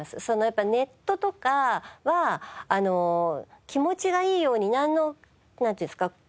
そのやっぱネットとかは気持ちがいいようになんて言うんですか